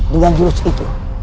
dengan jurus itu